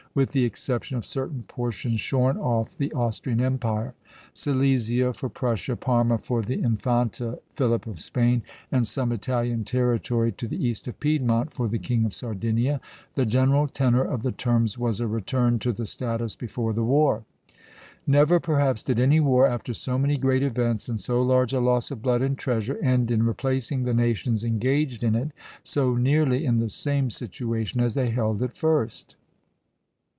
With the exception of certain portions shorn off the Austrian Empire, Silesia for Prussia, Parma for the Infante Philip of Spain, and some Italian territory to the east of Piedmont for the King of Sardinia, the general tenor of the terms was a return to the status before the war. "Never, perhaps, did any war, after so many great events, and so large a loss of blood and treasure, end in replacing the nations engaged in it so nearly in the same situation as they held at first."